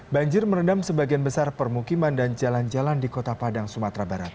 banjir merendam sebagian besar permukiman dan jalan jalan di kota padang sumatera barat